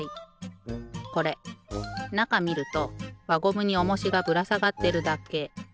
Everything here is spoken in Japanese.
これなかみるとわゴムにおもしがぶらさがってるだけ。